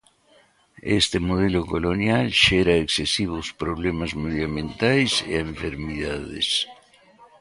Este modelo colonial xera excesivos problemas medioambientais e enfermidades.